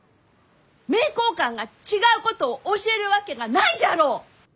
名教館が違うことを教えるわけがないじゃろう！